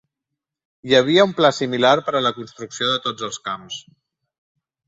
Hi havia un pla similar per a la construcció de tots els camps.